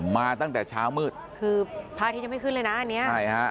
มาตั้งแต่เช้ามืดคือพระอาทิตยังไม่ขึ้นเลยนะอันเนี้ยใช่ฮะ